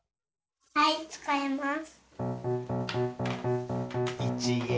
はいつかいます。